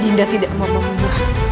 dinda tidak mau membunuh